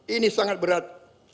ini sangat berat